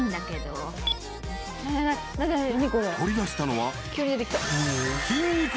［取り出したのは］